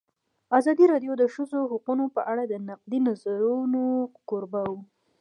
ازادي راډیو د د ښځو حقونه په اړه د نقدي نظرونو کوربه وه.